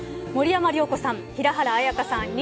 森山良子さん、平原綾香さん